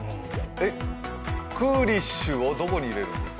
クーリッシュをどこに入れるんですか？